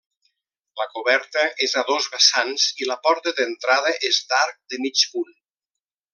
La coberta és a dos vessants i la porta d'entrada és d'arc de mig punt.